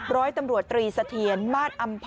ร้อยตำรวจตรีเสถียรมาสอำพร